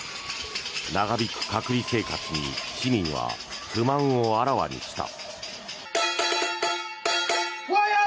長引く隔離生活に市民は不満をあらわにした。